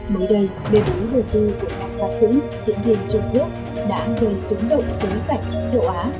mới đây bê bối hồi tư của một bác sĩ diễn viên trung quốc đã gây xuống động giới sạch triệu á